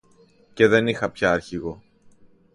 Και δεν είχα πια αρχηγό